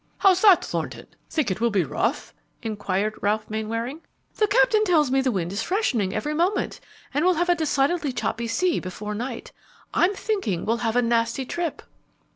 "How's that, Thornton? Think it will be rough?" inquired Ralph Mainwaring. "The captain tells me the wind is freshening every moment, and we'll have a decidedly choppy sea before night. I'm thinking we'll have a nasty trip."